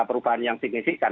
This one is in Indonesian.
perubahan yang signifikan